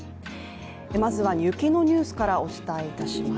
まずは雪のニュースからお伝えいたします。